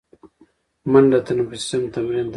منډه د تنفسي سیستم تمرین دی